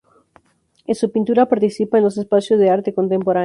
En su pintura participa en los espacios de arte contemporáneo.